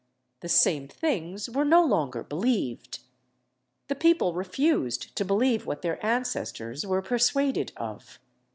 The same things were no longer believed. The people refused to believe what their ancestors were persuaded of."